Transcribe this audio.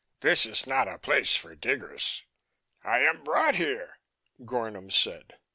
This is not a place for diggers." "I am brought here," Gornom said.